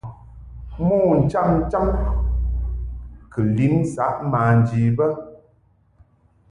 Mo ncham cham kɨ lin saʼ manji bə.